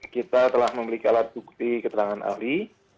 kita telah memiliki alat bukti keterangan ahli